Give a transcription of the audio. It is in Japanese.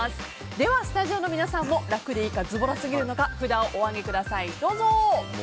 ではスタジオの皆さんも楽でいいかズボラすぎるのか札をお上げください。